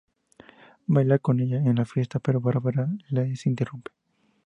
Baila con ella en la fiesta, pero Bárbara los interrumpe.